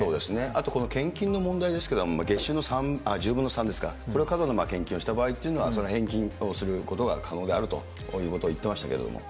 あとこの献金の問題ですけど、月収の１０分の３ですか、それを過度な献金をした場合というのは、それは返金をすることが可能であるということを言ってましたけれども。